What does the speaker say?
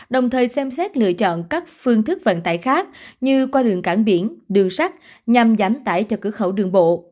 đồng thời xem xét lựa chọn các phương thức vận tải khác như qua đường cảng biển đường sắt nhằm giảm tải cho cửa khẩu đường bộ